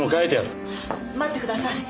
待ってください。